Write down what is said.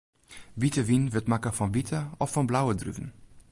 Wite wyn wurdt makke fan wite of fan blauwe druven.